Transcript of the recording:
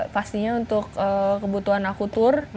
pastinya untuk kebutuhan aku tour